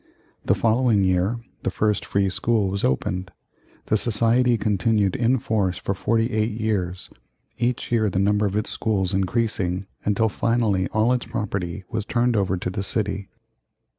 The following year the first free school was opened. The society continued in force for forty eight years, each year the number of its schools increasing, until finally all its property was turned over to the city.